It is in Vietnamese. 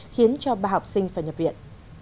khiến cho ba học sinh phải nhập viện